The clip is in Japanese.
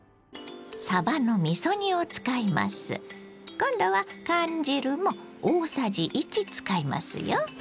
今度は缶汁も大さじ１使いますよ。